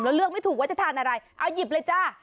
แล้วเลือกไม่ถูกว่าจะทานอะไรเอาหยิบเลยจ้า